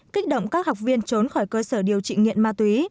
kích động các học viên trốn khỏi cơ sở điều trị nghiện ma túy